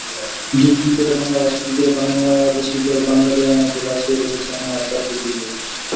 যুগ যুগ ধরে বাংলা ভাষাকে ঘিরে বাংলাদেশিদের বাঙালিয়ানাকে বাঁচিয়ে রেখেছে এমন আড্ডা, প্রীতি-ভোজ।